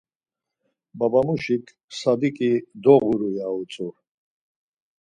Babamuşik 'Sadiǩi doğuru' ya utzu.